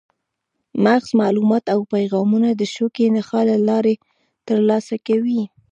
مغز معلومات او پیغامونه د شوکي نخاع له لارې ترلاسه کوي.